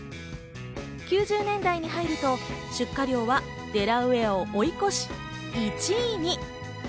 ９０年代に入ると出荷量はデラウェアを追い越し１位に。